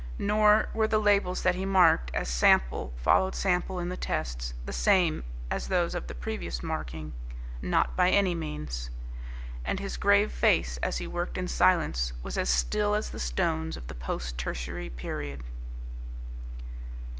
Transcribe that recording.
Nor were the labels that he marked, as sample followed sample in the tests, the same as those of the previous marking. Not by any means. And his grave face as he worked in silence was as still as the stones of the post tertiary period.